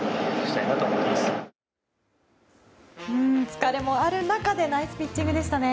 疲れもある中でナイスピッチングでしたね。